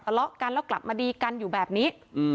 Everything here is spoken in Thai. ทะเลาะกันแล้วกลับมาดีกันอยู่แบบนี้